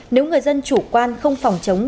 nếu người dân chủ quan không phòng chống